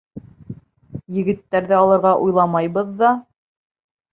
Егеттәрҙе алырға уйламайбыҙ ҙа!